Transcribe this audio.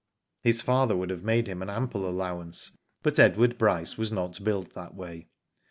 His father would have made him an ample allowance, but Edward Bryce was not built that way.